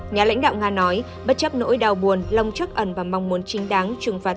nhà lãnh đạo nga nói bất chấp nỗi đau buồn lòng chắc ẩn và mong muốn chính đáng trừng phạt